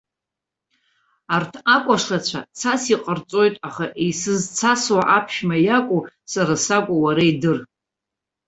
Арҭ акәашацәа цас иҟарҵоит, аха изызцасуа аԥшәма иакәу, сара сакәу уара идыр.